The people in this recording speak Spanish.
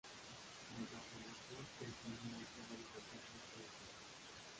Tras la promoción, emprendió una gira de conciertos por el país.